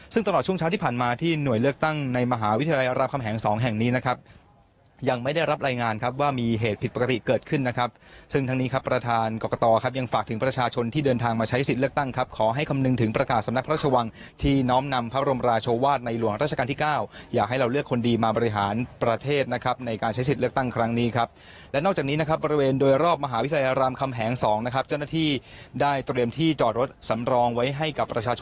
ซึ่งตลอดช่วงเช้าที่ผ่านมาที่หน่วยเลือกตั้งในมหาวิทยาลัยอารามคำแห่ง๒แห่งนี้นะครับยังไม่ได้รับรายงานครับว่ามีเหตุผิดปกติเกิดขึ้นนะครับซึ่งทางนี้ครับประทานกรกตอครับยังฝากถึงประชาชนที่เดินทางมาใช้สิทธิ์เลือกตั้งครับขอให้คำนึงถึงประกาศสำนักพระราชวังที่น้อมนำพระบรมราช